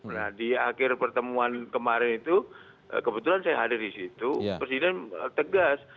nah di akhir pertemuan kemarin itu kebetulan saya hadir di situ presiden tegas